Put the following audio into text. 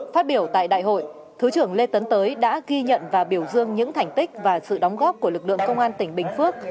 phát biểu tại đại hội thứ trưởng lê tấn tới đã ghi nhận và biểu dương những thành tích và sự đóng góp của lực lượng công an tỉnh bình phước